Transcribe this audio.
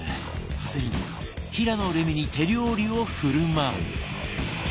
ついに平野レミに手料理を振る舞う